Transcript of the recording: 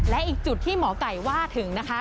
และอีกจุดที่หมอไก่ว่าถึงนะคะ